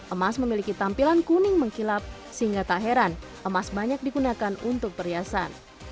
emas memiliki tampilan kuning mengkilap sehingga tak heran emas banyak digunakan untuk perhiasan